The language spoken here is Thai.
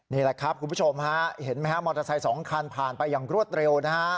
นี่แหละครับคุณผู้ชมฮะเห็นไหมฮะมอเตอร์ไซค์๒คันผ่านไปอย่างรวดเร็วนะฮะ